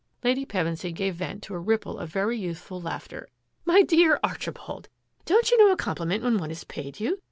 " Lady Pevensy gave vent to a ripple of very youthful laughter. " My dear — Archibald ! Don't you know a compliment when one is paid you?